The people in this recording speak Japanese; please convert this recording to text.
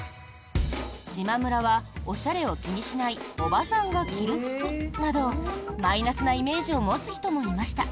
しまむらは、おしゃれを気にしないおばさんが着る服などマイナスなイメージを持つ人もいました。